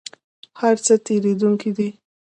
هر څه تیریدونکي دي؟